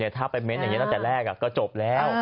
ถ้าไปเม้นต์อย่างนี้ตั้งแต่แรกก็จบแล้ว